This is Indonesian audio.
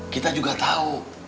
kita juga tahu